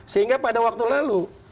sehingga pada waktu lalu